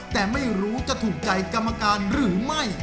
แต่ไม่รู้จะถูกใจกรรมการหรือไม่